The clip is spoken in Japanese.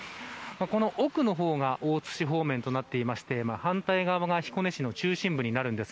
この奥の方が大津市方面となっていて反対側が彦根市の中心部になります。